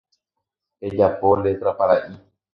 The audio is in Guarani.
Ejapo letra paraʼi.